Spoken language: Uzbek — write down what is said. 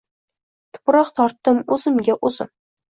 Tuproq tortdim oʻzimga oʻzim.